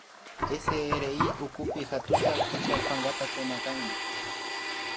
SRI ukupi hatushka killa pankata kunakanki